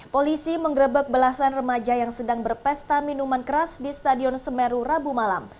polisi menggerebek belasan remaja yang sedang berpesta minuman keras di stadion semeru rabu malam